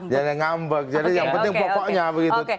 jangan ngambek jadi yang penting pokoknya begitu